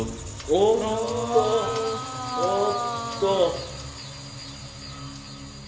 おっと！